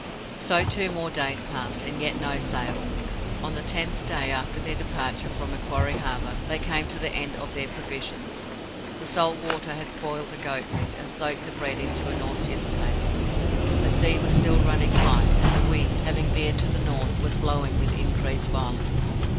So two more days passed, and yet no sail. On the tenth day after their departure from Macquarie Harbour they came to the end of their provisions. The salt water had spoiled the goat meat, and soaked the bread into a nauseous paste. The sea was still running high, and the wind, having veered to the north, was blowing with increased violence.